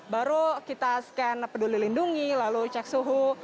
baru kita scan peduli lindungi lalu cek suhu